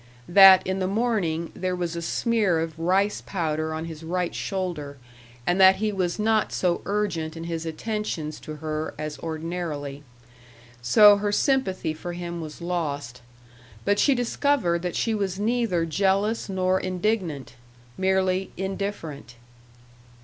That, in the morning, there was a smear of rice powder on his right shoulder and that he was not so urgent in his attentions to her as ordinarily. So her sympathy for him was lost. But she discovered that she was neither jealous nor indignant merely indifferent.